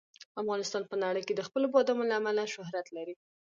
افغانستان په نړۍ کې د خپلو بادامو له امله شهرت لري.